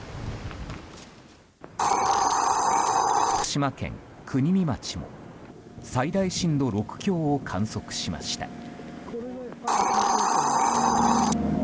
福島県国見町も最大震度６強を観測しました。